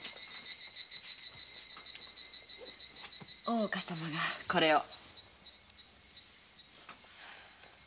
大岡様からこれを。